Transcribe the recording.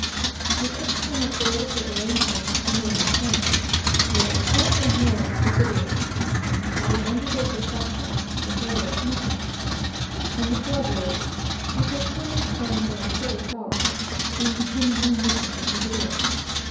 The external arrangements remain the same. There are four presidios, having under their protection the various missions, and pueblos, which are towns formed by the civil power, and containing no mission or presidio.